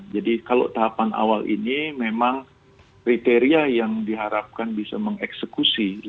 jadi kalau tahapan awal ini memang kriteria yang diharapkan bisa mengeksekusi